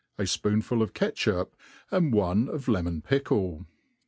a fpQonful ^of ketchup, and one of lemon pickle.